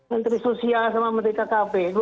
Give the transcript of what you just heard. menteri sosial sama menteri kkp